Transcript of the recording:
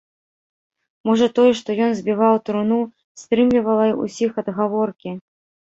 Можа тое, што ён збіваў труну, стрымлівала ўсіх ад гаворкі.